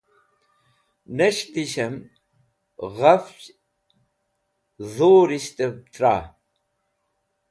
Nes̃h dishẽm ghafch dhurishtẽv tra?